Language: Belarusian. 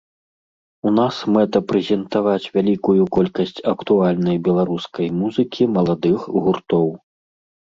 У нас мэта прэзентаваць вялікую колькасць актуальнай беларускай музыкі маладых гуртоў.